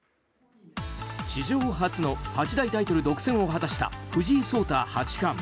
史上初の八大タイトル独占を果たした藤井聡太八冠。